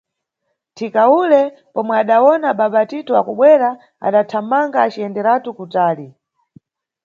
Thika ule, pomwe adawona baba Tito akubwera, adathamanga aciyenderatu kutali.